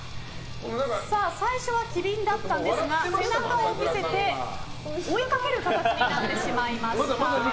最初は機敏だったんですが背中を見せて追いかける形になってしまいました。